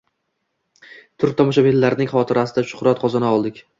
turk tomoshabinlarini orasida shuxrat qozona oldi.